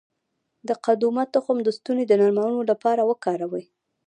د قدومه تخم د ستوني د نرمولو لپاره وکاروئ